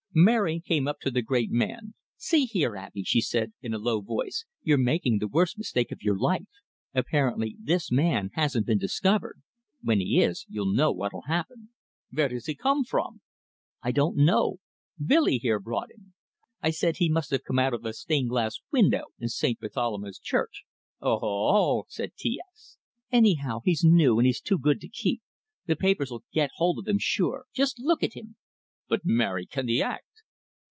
Mary came up to the great man. "See here, Abey," she said, in a low voice, "you're making the worst mistake of your life. Apparently this man hasn't been discovered. When he is, you know what'll happen." "Vere doss he come from?" "I don't know. Billy here brought him. I said he must have come out of a stained glass window in St. Bartholomew's Church." "Oho, ho!" said T S. "Anyhow, he's new, and he's too good to keep. The paper's 'll get hold of him sure. Just look at him!" "But, Mary, can he act?"